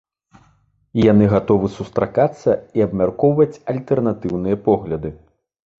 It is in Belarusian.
Яны гатовы сустракацца і абмяркоўваць альтэрнатыўныя погляды.